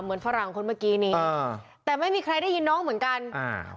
ฝรั่งคนเมื่อกี้นี้อ่าแต่ไม่มีใครได้ยินน้องเหมือนกันอ่า